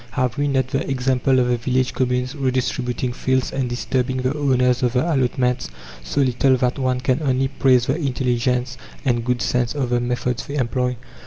Have we not the example of the village communes redistributing fields and disturbing the owners of the allotments so little that one can only praise the intelligence and good sense of the methods they employ?